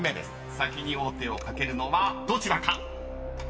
［先に王手をかけるのはどちらか⁉］